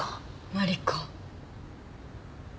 マリコ。